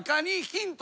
ヒント？